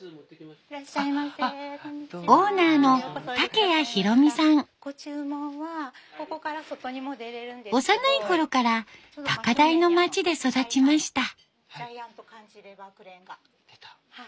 オーナーの幼いころから高台の町で育ちました。